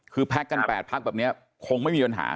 คือพักกัน๘พักแบบนี้คงไม่มีปัญหา